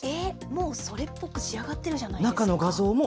もうそれっぽく仕上がってるじゃないですか。